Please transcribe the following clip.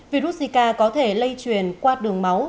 virus zika có thể lây truyền qua đường máu